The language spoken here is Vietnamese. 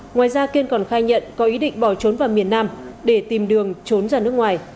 ngoài ra kiên còn khai nhận có ý định bỏ trốn vào miền nam để tìm đường trốn ra nước ngoài